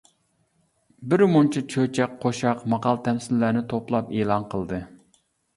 بىرمۇنچە چۆچەك، قوشاق، ماقال-تەمسىللەرنى توپلاپ ئېلان قىلدى.